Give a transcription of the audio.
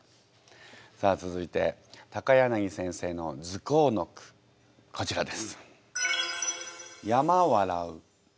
さあ続いて柳先生の「ズコー」の句こちらです。